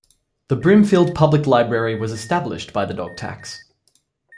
The Brimfield Public Library was established by the dog tax.